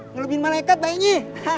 ngelubiin malaikat baiknya